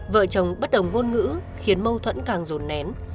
vợ chồng bất đồng ngôn ngữ khiến mâu thuẫn càng rồn nén